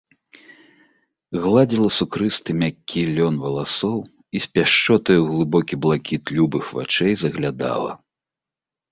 Гладзіла сукрысты мяккі лён валасоў і з пяшчотай у глыбокі блакіт любых вачэй заглядала.